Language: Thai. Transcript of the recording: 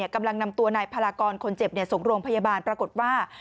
กำลังนำตัวนายพลากรคนเจ็บส่งโรงพยาบาลปรากฏว่า